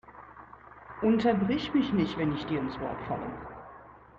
Unterbrich mich nicht, wenn ich dir ins Wort falle!